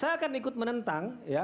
saya akan ikut menentang